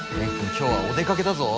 今日はお出かけだぞ。